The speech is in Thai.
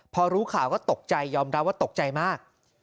พอรู้ข่าวก็ตกใจยอมรับว่าตกใจมาก